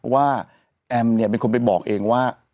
ว่าแอมเป็นคนไปบอกเองว่า